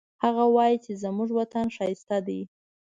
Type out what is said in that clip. هغه وایي چې زموږ وطن ښایسته ده